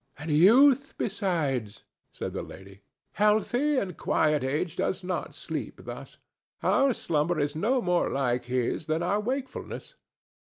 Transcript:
"And youth besides," said the lady. "Healthy and quiet age does not sleep thus. Our slumber is no more like his than our wakefulness."